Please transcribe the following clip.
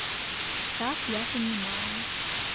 Так я понимаю.